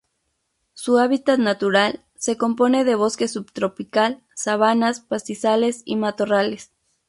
Su hábitat natural se compone de bosque subtropical, sabanas pastizales y matorrales.